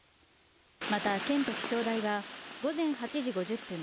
また、県と気象台は午前８時５０分